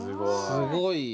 すごい。